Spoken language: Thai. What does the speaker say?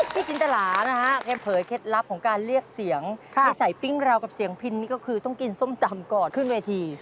พี่จินตรานะฮะแกเผยเคล็ดลับของการเรียกเสียงที่ใส่ปิ้งเรากับเสียงพินนี่ก็คือต้องกินส้มตำก่อนขึ้นเวที